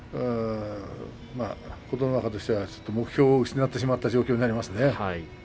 琴ノ若としては目標を失ってしまったような状況ですね。